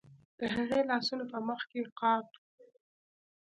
د هغې لاسونه په مخ کې قات وو